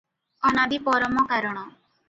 ଅନାଦି ପରମକାରଣ ।